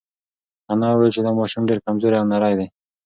انا وویل چې دا ماشوم ډېر کمزوری او نری دی.